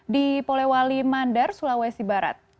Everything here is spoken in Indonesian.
di polewali mandar sulawesi barat